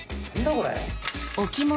これ。